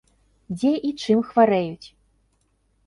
Дзе і чым хварэюць?